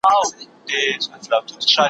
ږغ مي ټول کلی مالت سي اورېدلای